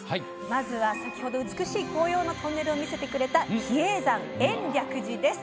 まずは先ほど美しい紅葉のトンネルを見せてくれた比叡山延暦寺です。